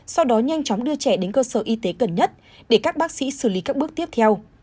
sau đó nhanh chóng đưa trẻ đến cơ sở y tế gần nhất để các bác sĩ xử lý các bước tiếp theo